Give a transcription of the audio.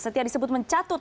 setia disebut mencatut